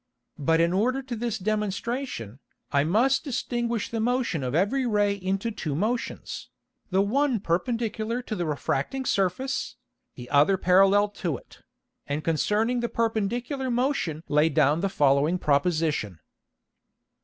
_ But in order to this Demonstration, I must distinguish the Motion of every Ray into two Motions, the one perpendicular to the refracting Surface, the other parallel to it, and concerning the perpendicular Motion lay down the following Proposition.